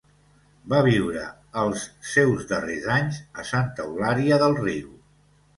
Va viure els seus darrers anys a Santa Eulària del Riu.